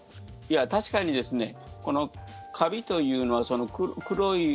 確かにカビというのは黒い。